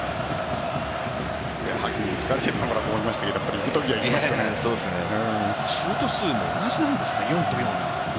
ハキミ疲れてると思いましたけどシュート数も同じなんですね